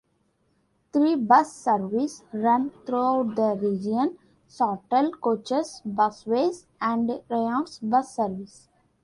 Three bus services run throughout the region; Sawtell Coaches, Busways, and Ryans Bus Service.